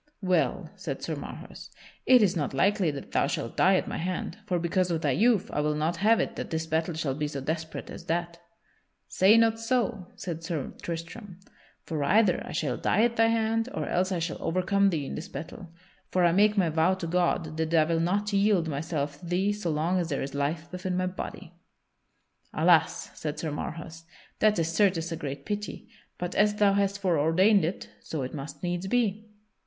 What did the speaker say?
"Well," said Sir Marhaus, "it is not likely that thou shalt die at my hand. For because of thy youth I will not have it that this battle shall be so desperate as that." "Say not so," said Sir Tristram, "for either I shall die at thy hand, or else I shall overcome thee in this battle, for I make my vow to God that I will not yield myself to thee so long as there is life within my body." "Alas!" said Sir Marhaus, "that is certes a great pity. But as thou hast foreordained it, so it must needs be."